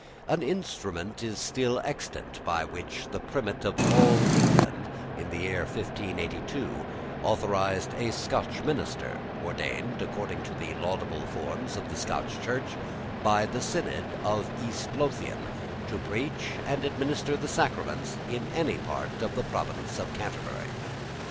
An instrument is still extant by which the Primate of all England, in the year 1582, authorised a Scotch minister, ordained, according to the laudable forms of the Scotch Church, by the Synod of East Lothian, to preach and administer the sacraments in any part of the province of Canterbury.